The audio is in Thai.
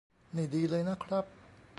นี่ดีเลยนะครับ